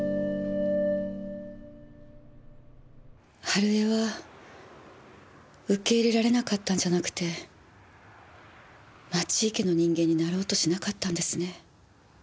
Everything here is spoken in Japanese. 春枝は受け入れられなかったんじゃなくて町井家の人間になろうとしなかったんですね。